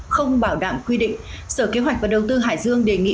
không bảo đảm quy định sở kế hoạch và đầu tư hải dương đề nghị